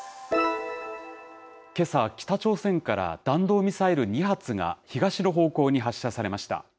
けさ、北朝鮮から弾道ミサイル２発が、東の方向に発射されました。